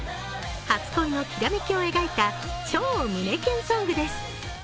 初恋のきらめきを描いた超胸キュンソングです。